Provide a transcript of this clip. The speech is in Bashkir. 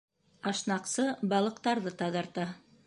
Ашнаҡсы балыҡтарҙы таҙарта.